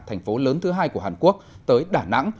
thành phố lớn thứ hai của hàn quốc tới đà nẵng